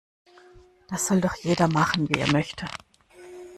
Das soll doch jeder machen, wie er möchte.